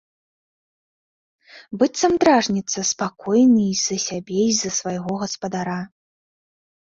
Быццам дражніцца, спакойны і за сябе і за свайго гаспадара.